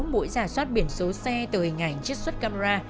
mỗi giả soát biển số xe từ hình ảnh chiếc xuất camera